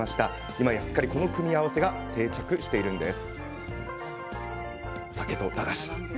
今や、すっかりこの組み合わせが定着しています。